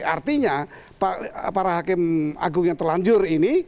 artinya para hakim agung yang terlanjur ini